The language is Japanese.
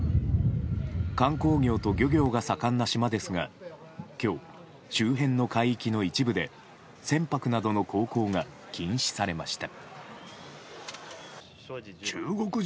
観光業と漁業が盛んな島ですが今日、周辺の海域の一部で船舶などの航行が禁止されました。